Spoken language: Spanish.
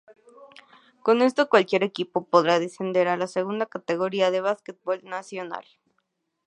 Con esto cualquier equipo podrá descender a la segunda categoría del basquetbol nacional.